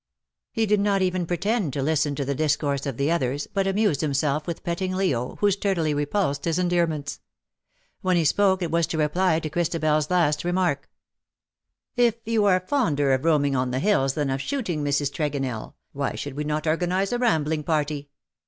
He did not evea pretend to listen to the discourse of the others^ but amused himself with petting Leo, who sturdily repulsed his endearments. When he spoke it vas to reply to ChristabeFs last remark. " If you are fonder of roaming on the hills tian of shooting, Mrs. Tregonell^ why should we not organize a rambling party